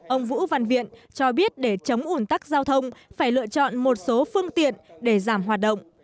ông vũ văn viện cho biết để chống ủn tắc giao thông phải lựa chọn một số phương tiện để giảm hoạt động